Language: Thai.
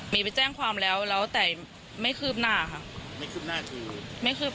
ปะว่ามีไปแจ้งความแล้วแล้วแต่ไม่คืบหน้าหรอคือไม่คือ